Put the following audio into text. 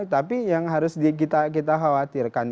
tapi yang harus kita khawatirkan